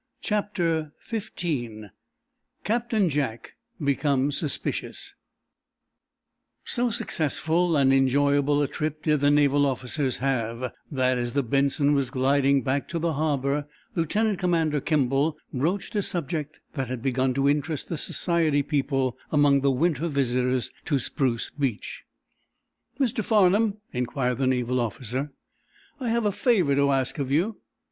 CHAPTER XV CAPTAIN JACK BECOMES SUSPICIOUS So successful and enjoyable a trip did the naval officers have that, as the "Benson" was gliding back to the harbor, Lieutenant Commander Kimball broached a subject that had begun to interest the society people among the winter visitors to Spruce Beach. "Mr. Farnum," inquired the naval officer, "I have a favor to ask of you."